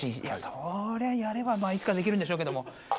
それはやればいつかはできるんでしょうけども。